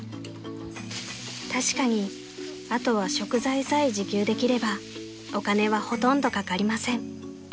［確かにあとは食材さえ自給できればお金はほとんどかかりません］